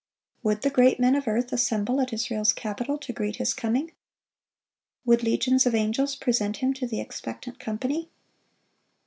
Would the great men of earth assemble at Israel's capital to greet His coming? Would legions of angels present Him to the expectant company?